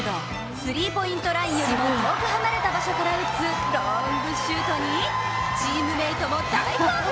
スリーポイントラインよりも遠く離れた場所から打つロングシュートにチームメートも大興奮。